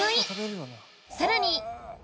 さらに！